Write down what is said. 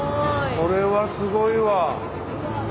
これはすごいわ。